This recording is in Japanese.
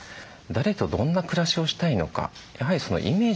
誰とどんな暮らしをしたいのかやはりそのイメージがですね